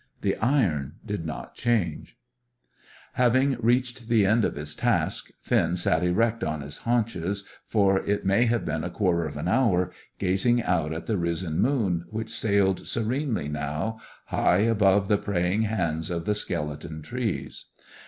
The iron did not change. [Illustration: Was lost in the shadow of the main tent.] Having reached the end of his task, Finn sat erect on his haunches for it may have been a quarter of an hour, gazing out at the risen moon, which sailed serenely now, high above the praying hands of the skeleton trees.